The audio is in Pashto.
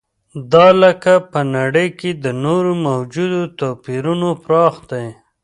دا لکه په نړۍ کې د نورو موجودو توپیرونو پراخ دی.